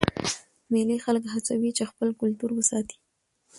مېلې خلک هڅوي چې خپل کلتور وساتي.